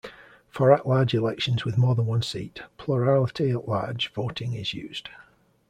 For at-large elections with more than one seat, plurality-at-large voting is used.